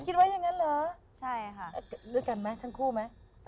คิดไว้อย่างนั้นเหรอ